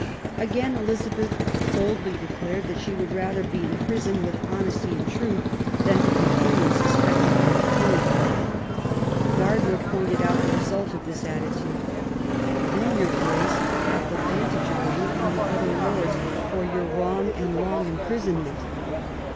Again Elizabeth boldly declared that she would rather be in prison, with honesty and truth, than to be free and suspected by the Queen. Gardiner pointed out the result of this attitude :Then your Grace hath the vantage of me, and the other lords, for your wrong and long imprisonment